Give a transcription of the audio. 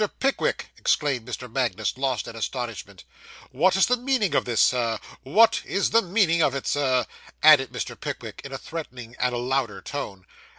Pickwick!' exclaimed Mr. Magnus, lost in astonishment, 'what is the meaning of this, Sir? What is the meaning of it, Sir?' added Mr. Magnus, in a threatening, and a louder tone.